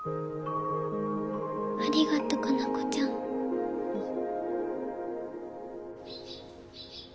ありがとう加奈子ちゃん